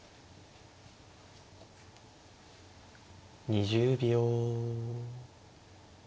２０秒。